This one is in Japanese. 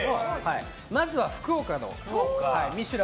まずは福岡の「ミシュラン」